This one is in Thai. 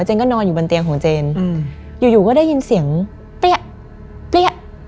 นอนอยู่บนเตียงของเจนอยู่อยู่ก็ได้ยินเสียงเปรี้ยเปรี้ย